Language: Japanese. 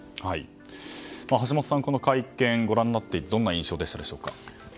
橋下さん、この会見をご覧になってどんな印象だったでしょうか？